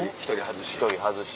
１人外し。